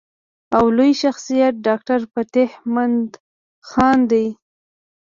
او لوئ شخصيت ډاکټر فتح مند خان دے ۔